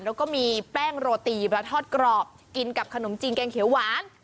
แล้วก็มีแป้งโรตีปลาทอดกรอบกินกับขนมจีนแกงเขียวหวาน